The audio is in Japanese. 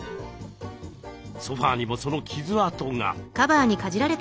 ソファーにもその傷跡が。